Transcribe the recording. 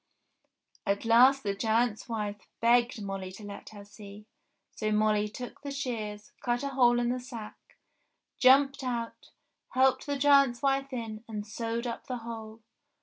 !" At last the giant's wife begged Molly to let her see, so Molly took the shears, cut a hole in the sack, jumped out, helped the giant's wife in, and sewed up the hole